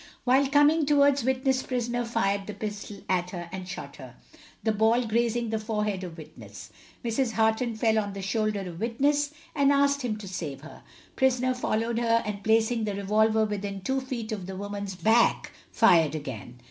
While coming towards Witness prisoner fired the pistol at her and shot her, the ball grazing the forehead of witness. Mrs. Harton fell on the shoulder of witness, and asked him to save her. Prisoner followed her, and placing the revolver within two feet of the woman's back fired again.